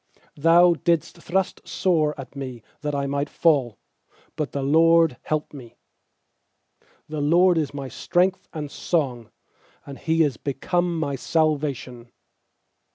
13Thou didst thrust sore at me that I might fall; But the LORD helped me. 14The LORD is my strength and song; And He is become my salvation.